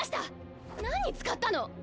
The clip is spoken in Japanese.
何に使ったの？